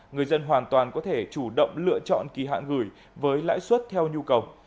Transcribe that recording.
người dân hoàn toàn có thể chủ động lựa chọn kỳ hạn gửi với lãi suất theo nhu cầu